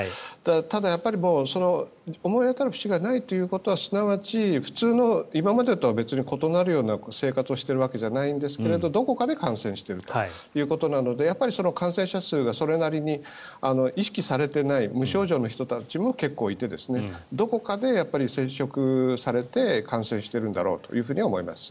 ただ、思い当たる節がないということはすなわち今までとは異なる生活をしているわけじゃないんですがどこかで感染しているということなので感染者数がそれなりに意識されていない無症状の人たちも結構いてどこかで接触されて感染しているんだろうとは思います。